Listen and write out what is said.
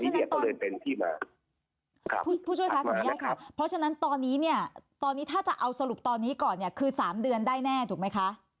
เพราะฉะนั้นตอนนี้เนี่ยถ้าจะเอาสรุปตอนนี้ก่อนเนี่ยคือ๓เดือนได้แน่ถูกไหมคะ